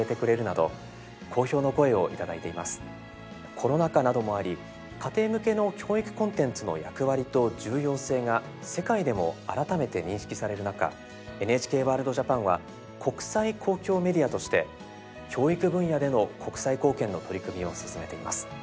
コロナ禍などもあり家庭向けの教育コンテンツの役割と重要性が世界でも改めて認識される中「ＮＨＫワールドＪＡＰＡＮ」は国際公共メディアとして教育分野での国際貢献の取り組みを進めています。